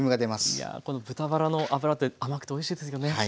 いやこの豚バラの脂って甘くておいしいですよね。